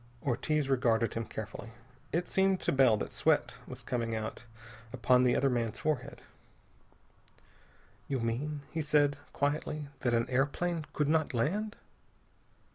Ortiz regarded him carefully. It seemed to Bell that sweat was coming out upon the other man's forehead. "You mean," he said quietly, "that an airplane could not land?"